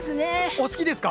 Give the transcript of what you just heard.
お好きですか？